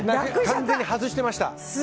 完全に外してました。